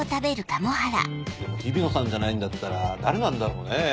でも日比野さんじゃないんだったら誰なんだろうね？